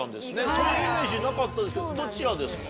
そのイメージなかったですけどどちらですか？